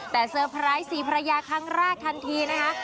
แต่เซอร์ไพรส์สีภรรยาครั้งแรกทันทีนะคะ